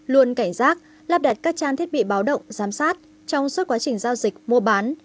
luôn cảnh giác lắp đặt các trang thiết bị báo động giám sát trong suốt quá trình giao dịch mua bán